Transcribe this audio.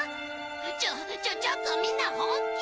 ちょっちょっとみんな本気？